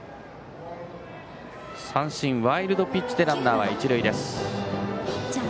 三振、ワイルドピッチでランナーは一塁です。